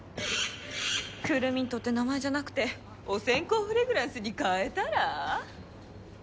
クールミントって名前じゃなくてお線香フレグランスに変えたら？